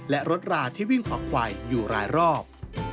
และรถราที่วิ่งเคาะควายอยู่หลายรอบ